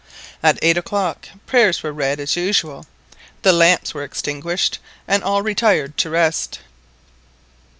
At eight o'clock prayers were read as usual, the lamps were extinguished, and all retired to rest.